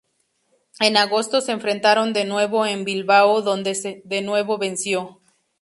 En agosto se enfrentaron de nuevo en Bilbao, donde de nuevo venció.